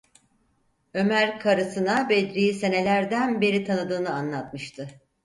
Ömer, karısına Bedri’yi senelerden beri tanıdığını anlatmıştı.